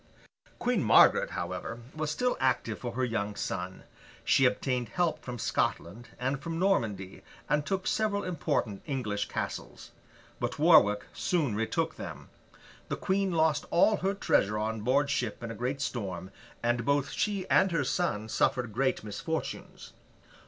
Queen Margaret, however, was still active for her young son. She obtained help from Scotland and from Normandy, and took several important English castles. But, Warwick soon retook them; the Queen lost all her treasure on board ship in a great storm; and both she and her son suffered great misfortunes.